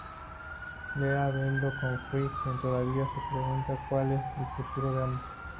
Leela vuelve con Fry, quien todavía se pregunta cuál es el futuro de ambos.